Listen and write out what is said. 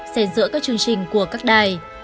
dành giữa các chương trình của các đài